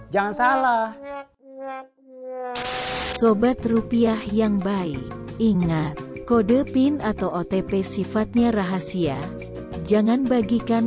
delapan ratus sepuluh jangan salah sobat rupiah yang baik ingat code pin atau otp sifatnya rahasia jangan bagikan